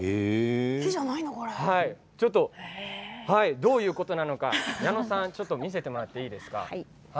どういうことなのか矢野さん、見せてもらっていいですか？